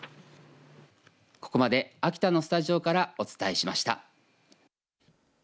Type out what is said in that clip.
ここまで秋田のスタジオからお伝えしました。